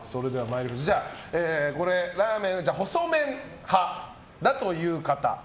ラーメンは細麺派だという方